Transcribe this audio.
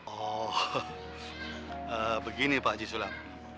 oh begini pak haji sulat